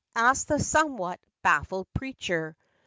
Asked the somewhat baffled preacher.